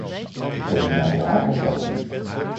Ik wil hen daarvoor hartelijk danken!